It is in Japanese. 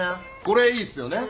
これいいっすよね。